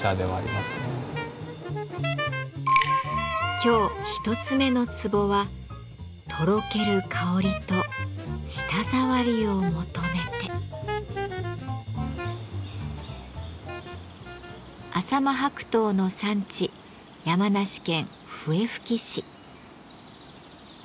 今日一つ目のツボは浅間白桃の産地山梨県笛吹市。